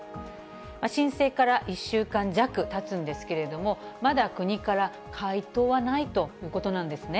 申請から１週間弱たつんですけれども、まだ国から回答はないということなんですね。